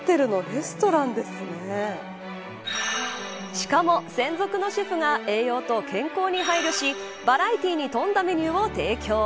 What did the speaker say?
しかも、専属のシェフが栄養と健康に配慮しバラエティーに富んだメニューを提供。